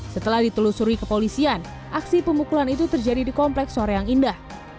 setelah ditelusuri kepolisian aksi pemukulan itu terjadi di kompleks sore yang indah